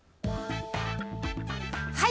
はい。